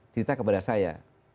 cerita kepada saya